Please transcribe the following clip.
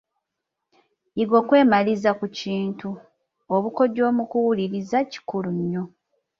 Yiga okwemaliza ku kintu . Obukodyo mu kuwuliriza kikulu nnyo.